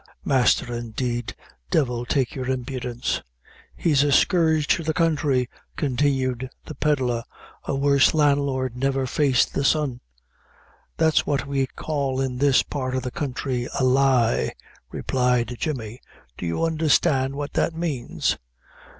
Masther, indeed! Divil take your impidence!" "He's a scourge to the counthry," continued the pedlar; "a worse landlord never faced the sun." "That's what we call in this part of the counthry a lie," replied Jemmy. "Do you understand what that manes?"